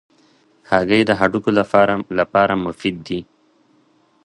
هګۍ د هډوکو لپاره مفید دي.